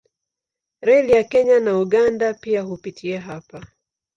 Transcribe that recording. Reli ya Kenya na Uganda pia hupitia hapa.